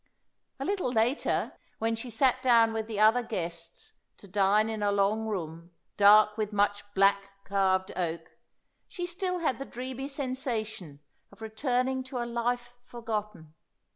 A little later, when she sat down with the other guests to dine in a long room, dark with much black carved oak, she still had the dreamy sensation of returning to a life forgotten.